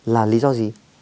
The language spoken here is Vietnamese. là lý do gì